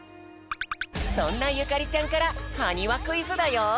そんなゆかりちゃんからはにわクイズだよ！